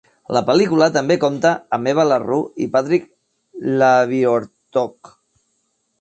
La pel·lícula també compta amb Eva LaRue i Patrick Labyorteaux.